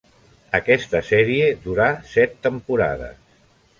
Aquesta sèrie durà set temporades.